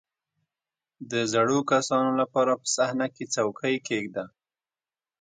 • د زړو کسانو لپاره په صحنه کې څوکۍ کښېږده.